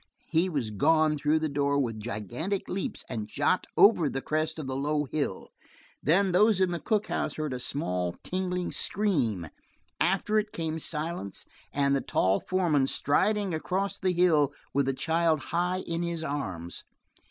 He was gone through the door with gigantic leaps and shot over the crest of the low hill. Then those in the cookhouse heard a small, tingling scream; after it, came silence, and the tall foreman striding across the hill with the child high in his arms.